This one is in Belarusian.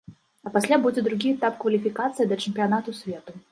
А пасля будзе другі этап кваліфікацыі да чэмпіянату свету.